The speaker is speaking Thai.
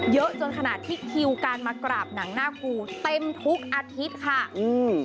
เยอะจนขนาดที่คิวการมากราบหนังหน้าครูเต็มทุกอาทิตย์ค่ะอืม